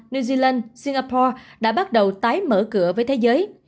new zealand singapore đã bắt đầu tái mở cửa với thế giới